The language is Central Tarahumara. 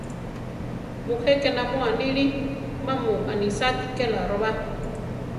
Mujé ke namó aníli; má mu anisáati ke laro ba.